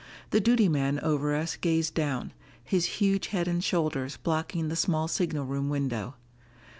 The duty man over us gazed down, his huge head and shoulders blocking the small signal room window.